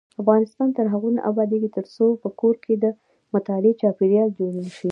افغانستان تر هغو نه ابادیږي، ترڅو په کور کې د مطالعې چاپیریال جوړ نشي.